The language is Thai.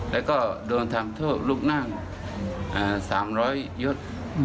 แล้วก็โดนทำโทษลูกนั่ง๓๐๐ยศ